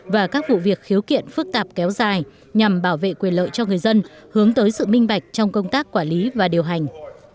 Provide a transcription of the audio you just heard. và các vụ việc khiếu kiện phức tạp kéo dài nhằm bảo vệ quyền lợi cho người dân hướng tới sự minh bạch trong công tác quản lý và điều hành